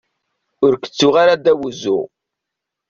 Ur k-tuɣ ara ddaw uzzu.